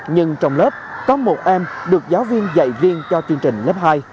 nhưng trong lớp có một em được giáo viên dạy viên cho chương trình lớp hai